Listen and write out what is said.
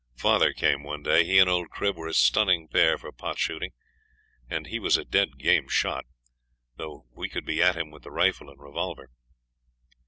Father came one day; he and old Crib were a stunning pair for pot shooting, and he was a dead game shot, though we could be at him with the rifle and revolver.